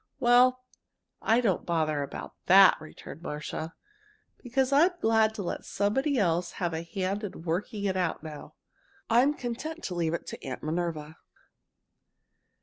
"Well, I don't bother about that," returned Marcia, "because I'm glad to let somebody else have a hand in working at it now. I'm content to leave it to Aunt Minerva!"